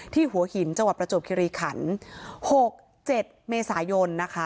หัวหินจังหวัดประจวบคิริขัน๖๗เมษายนนะคะ